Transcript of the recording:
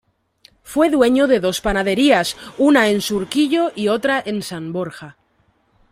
Fue dueño de dos panaderías, una en Surquillo y otra en San Borja.